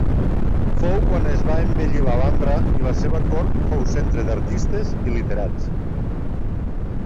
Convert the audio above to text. Fou quan es va embellir l'Alhambra i la seva cort fou centre d'artistes i literats.